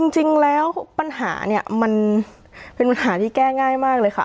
จริงแล้วปัญหาเนี่ยมันเป็นปัญหาที่แก้ง่ายมากเลยค่ะ